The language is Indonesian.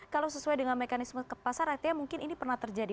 kalau sesuai dengan mekanisme pasar artinya mungkin ini pernah terjadi